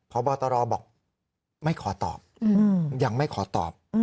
พบตรบอกไม่ขอตอบยังไม่ขอตอบ